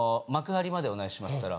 幕張までお願いします」